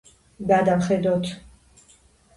გადავხედოთ.